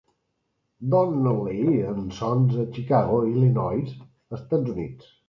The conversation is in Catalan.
Donnelley and Sons a Chicago, Illinois, Estats Units.